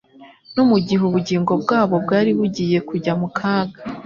no mu gihe ubugingo bwabo bwari bugiye kujya mu kaga.